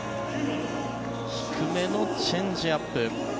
低めのチェンジアップ。